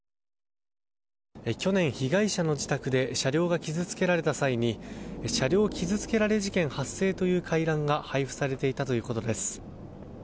去年被害者の自宅で車両が傷つけられた際に車両傷つけられ事件発生という回覧が配布されていたということです。